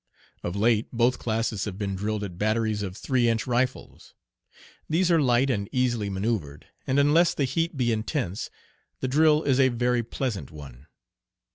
Of late both classes have been drilled at batteries of three inch rifles. These are light and easily manoeuvred, and unless the heat be intense the drill is a very pleasant one.